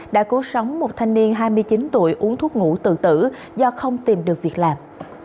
đã cứu sống một thanh niên hai mươi chín tuổi uống thuốc ngủ tự tử do không tìm được việc làm